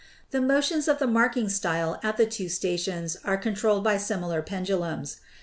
The motions of the marking style at the two stations are controlled by similar pendulums.